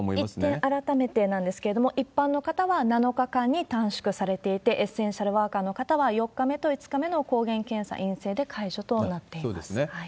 一点改めてなんですけれども、一般の方は７日間に短縮されていて、エッセンシャルワーカーの方は４日目と５日目の抗原検査陰性で解そうですね。